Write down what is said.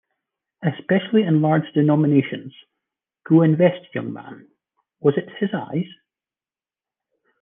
Especially in large denominations", "Go invest, young man", "Was it his eyes?